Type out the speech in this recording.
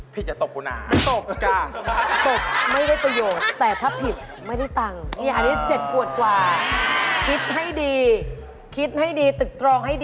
ผิดจะตบกูนานตบกลาง